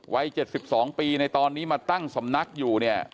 วัย๗๒ปีในตอนนี้มาตั้งสำนักอยู่เนี่ย